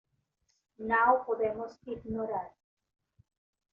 Não podemos ignorar!".